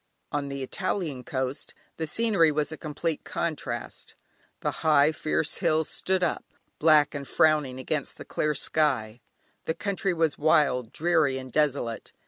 On the Italian coast the scenery was a complete contrast, the high, fierce hills stood up black and frowning against the clear sky, the country was wild, dreary and desolate.